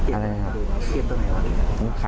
เกลียดตัวไหนครับ